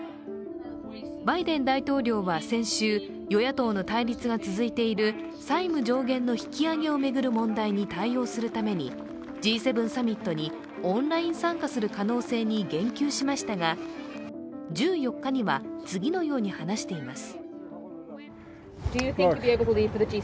バイデン大統領は先週、与野党の対立が続いている債務上限の引き上げを巡る問題に対応するためにＧ７サミットにオンライン参加する可能性に言及しましたが１４日には、次のように話しています。